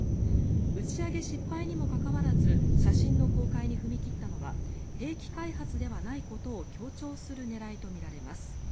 打ち上げ失敗にもかかわらず写真の公開に踏み切ったのは兵器開発ではないことを強調する狙いとみられます。